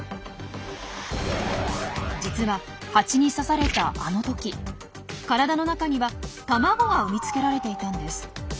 実はハチに刺されたあのとき体の中には卵が産み付けられていたんです。